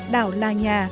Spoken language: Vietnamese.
đảo là nhà